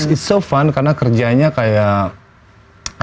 it's so fun karena kerjanya kayak